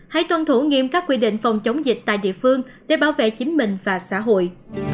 hãy tuân thủ nghiêm các quy định phòng chống dịch tại địa phương để bảo vệ chính mình và xã hội